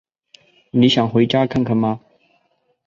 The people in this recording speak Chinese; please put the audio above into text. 你想回家看看吗？